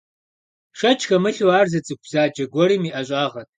Шэч хэмылъу, ар зы цӀыху бзаджэ гуэрым и ӀэщӀагъэт.